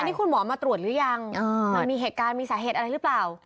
นี่คุณหมอมาตรวจหรือยังมันมีเหตุการณ์มีสาเหตุอะไรหรือเปล่า